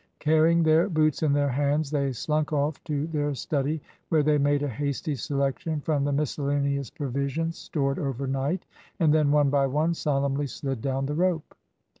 Carrying their boots in their hands they slunk off to their study, where they made a hasty selection from the miscellaneous provisions stored over night, and then, one by one, solemnly slid down the rope.